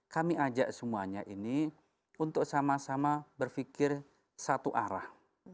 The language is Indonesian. kami ajak semuanya ini untuk sama sama berpikir satu arah